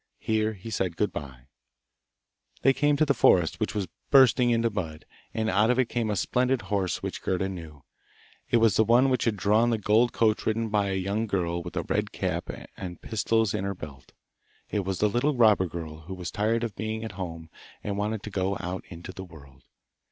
Here he said good bye. They came to the forest, which was bursting into bud, and out of it came a splendid horse which Gerda knew; it was the one which had drawn the gold coach ridden by a young girl with a red cap on and pistols in her belt. It was the little robber girl who was tired of being at home and wanted to go out into the world.